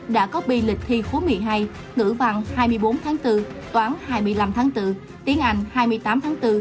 đã có bi lịch thi khối một mươi hai ngữ văn hai mươi bốn tháng bốn toán hai mươi năm tháng bốn tiếng anh hai mươi tám tháng bốn